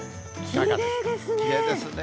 きれいですね。